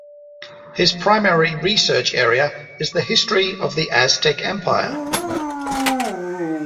His primary research area is the history of the Aztec Empire.